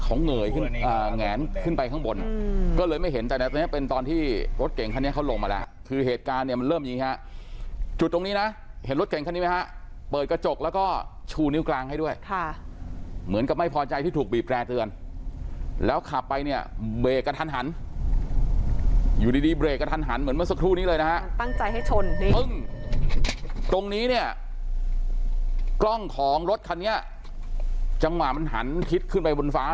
ตอนนี้เนี่ยเขาเหนื่อยขึ้นแหงขึ้นไปข้างบนก็เลยไม่เห็นแต่ตอนนี้เป็นตอนที่รถเก่งคันนี้เขาลงมาแล้วคือเหตุการณ์เนี่ยมันเริ่มยิงค่ะจุดตรงนี้นะเห็นรถเก่งคันนี้ไหมฮะเปิดกระจกแล้วก็ชูนิ้วกลางให้ด้วยค่ะเหมือนกับไม่พอใจที่ถูกบีบแร่เตือนแล้วขับไปเนี่ยเบรกกะทันหันอยู่ดีเบรกกะทันหันเหม